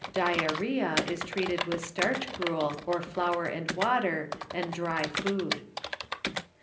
Diakshcea is treated with starch gruel or flour and water and dry food.